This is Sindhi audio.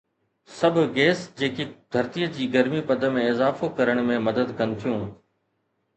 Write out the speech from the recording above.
سڀ گيس جيڪي ڌرتيء جي گرمي پد ۾ اضافو ڪرڻ ۾ مدد ڪن ٿيون